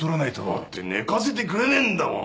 だって寝かせてくれねえんだもん。